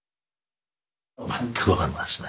全く分かんないですね。